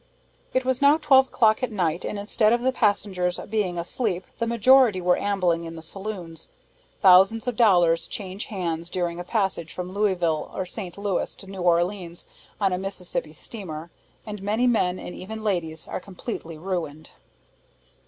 It was now twelve o'clock at night, and instead of the passengers being asleep the majority were ambling in the saloons. Thousands of dollars change hands during a passage from Louisville or St. Louis to New Orleans on a Mississippi steamer, and many men, and even ladies, are completely ruined.